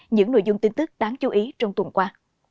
những nội dung tin tức đáng chú ý trong tuần qua